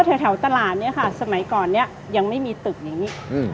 แถวตลาดเนี่ยค่ะสมัยก่อนเนี่ยยังไม่มีตึกอย่างนี้